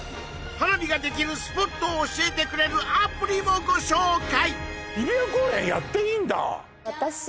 花火ができるスポットを教えてくれるアプリもご紹介！